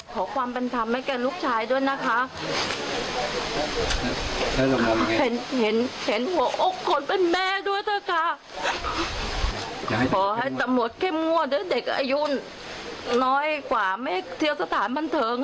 ซึ่งตามรถแค่มั่วที่ตายเด็กน้อยกว่าเที่ยวในสถานบนเทิง